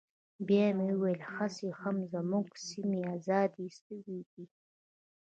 بيا مې وويل هسې هم زموږ سيمې ازادې سوي دي.